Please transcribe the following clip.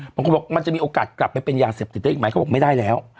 บางคนบอกมันจะมีโอกาสกลับไปเป็นยาเสพติดได้อีกไหมเขาบอกไม่ได้แล้ว